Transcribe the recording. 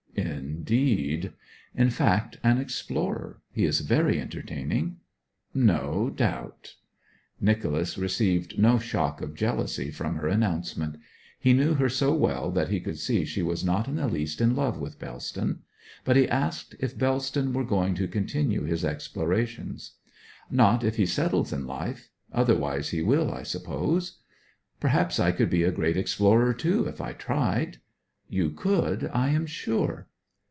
'Indeed.' 'In fact an explorer. He is very entertaining.' 'No doubt.' Nicholas received no shock of jealousy from her announcement. He knew her so well that he could see she was not in the least in love with Bellston. But he asked if Bellston were going to continue his explorations. 'Not if he settles in life. Otherwise he will, I suppose.' 'Perhaps I could be a great explorer, too, if I tried.' 'You could, I am sure.'